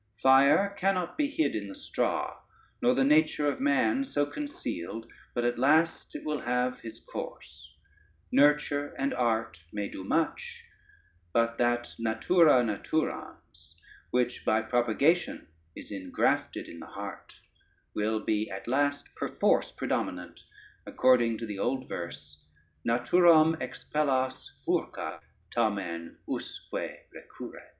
Fire cannot be hid in the straw, nor the nature of man so concealed, but at last it will have his course: nurture and art may do much, but that natura naturans, which by propagation is ingrafted in the heart, will be at last perforce predominant according to the old verse: Naturam expellas furca, tamen usque recurret.